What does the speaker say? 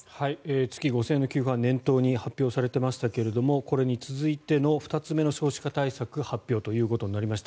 月５０００円の給付は年頭に発表されていましたがこれに続いての２つ目の少子化対策発表となりました。